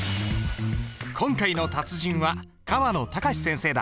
今回の達人は河野隆先生だ。